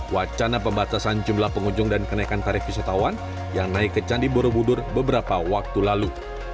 wacana pembatasan jumlah pengunjung dan kenaikan tarif wisatawan yang naik ke candi borobudur beberapa waktu lalu